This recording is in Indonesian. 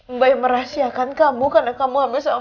mbak yang merahsiakan kamu karena kamu hamil sama mas roy dan